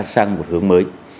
sang một hướng mới